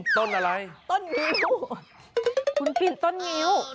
ต้นอะไรต้นงิ้วคุณกินต้นงิ้ว